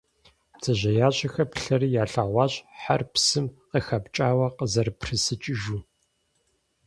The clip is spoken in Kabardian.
Бдзэжьеящэхэр плъэри ялъэгъуащ хьэр псым къыхэпкӀауэ къызэпрысыкӀыжу.